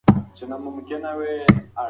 ډاکټر سپارښتنه وکړه چې هره ورځ پلی تګ وکړم.